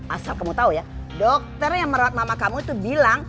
asal kamu tahu ya dokter yang merawat mama kamu itu bilang